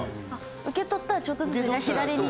受け取ったらちょっとずつ左に。